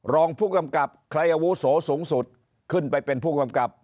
รองผู้กำกับใครอาวุโสสูงสุดขึ้นไปเป็นผู้กำกับ